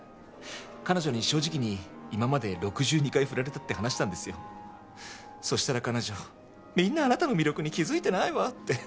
彼女に正直に今まで６２回フラれたって話したんですよそしたら彼女「みんなあなたの魅力に気づいてないわ」って